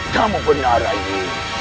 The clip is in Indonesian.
kamu benar rayi